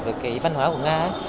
với cái văn hóa của nga